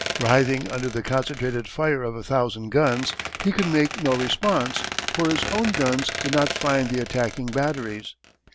Writhing under the concentrated fire of a thousand guns he could make no response, for his own guns could not find the attacking batteries.